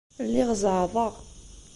Lliɣ zeɛɛḍeɣ.